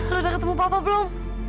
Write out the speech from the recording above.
udah ketemu papa belum